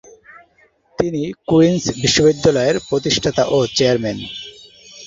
তিনি কুইন্স বিশ্ববিদ্যালয়ের প্রতিষ্ঠাতা ও চেয়ারম্যান।